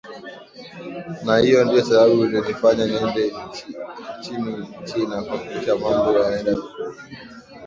na hii ndiyo sababu iliyonifanya niende nchini china kuhakikisha mambo yanaenda vizuri